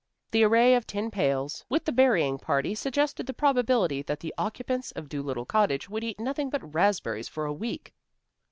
The array of tin pails with the berrying party suggested the probability that the occupants of Dolittle Cottage would eat nothing but raspberries for a week.